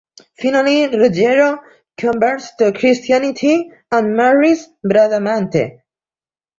Finally, Ruggiero converts to Christianity and marries Bradamante.